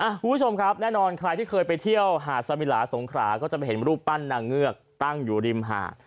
คุณผู้ชมครับแน่นอนใครที่เคยไปเที่ยวหาดสมิลาสงขราก็จะไปเห็นรูปปั้นนางเงือกตั้งอยู่ริมหาด